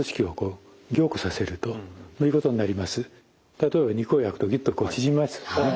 例えば肉を焼くとギュッと縮みますよね。